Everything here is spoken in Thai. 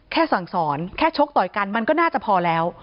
สั่งสอนแค่ชกต่อยกันมันก็น่าจะพอแล้ว